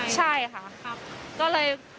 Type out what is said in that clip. ใช่ค่ะก็เลย